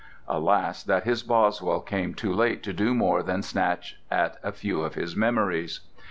Alas that his Boswell came too late to do more than snatch at a few of his memories.